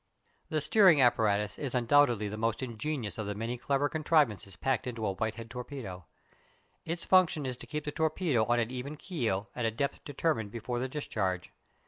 The steering apparatus is undoubtedly the most ingenious of the many clever contrivances packed into a Whitehead torpedo. Its function is to keep the torpedo on an even keel at a depth determined before the discharge.